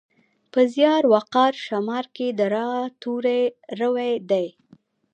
په زیار، وقار، شمار کې د راء توری روي دی.